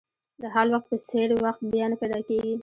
د حال وخت په څېر وخت بیا نه پیدا کېږي.